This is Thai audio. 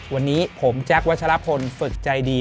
วันนี้ผมแจ๊ควัชลพลฝึกใจดี